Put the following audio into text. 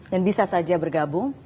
dan bisa saja bergabung